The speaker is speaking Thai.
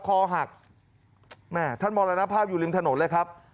คอหักแม่ท่านมรณภาพอยู่ริมถนนเลยครับ